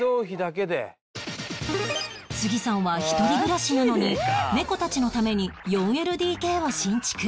杉さんは一人暮らしなのに猫たちのために ４ＬＤＫ を新築